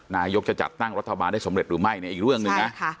นายกจะจัดตั้งรัฐบาลได้สำเร็จหรือไม่เนี่ยอีกเรื่องหนึ่งนะ